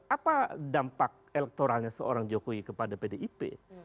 apa dampak elektoralnya seorang jokowi kepada pdip